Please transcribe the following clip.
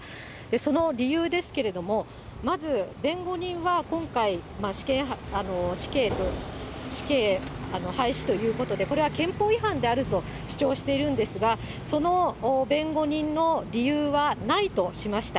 その理由ですけれども、まず、弁護人は今回、死刑廃止ということで、これは憲法違反であると主張しているんですが、その弁護人の理由はないとしました。